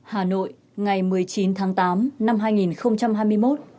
hà nội ngày một mươi chín tháng tám năm hai nghìn hai mươi một